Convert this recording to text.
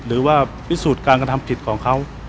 หรือว่าพิสูจน์การกระทำผิดของเขา